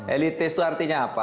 elitis itu artinya apa